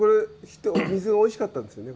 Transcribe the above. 水がおいしかったですよね。